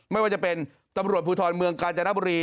ไม่ว่าจะเป็นตำรวจภูทรเมืองกาญจนบุรี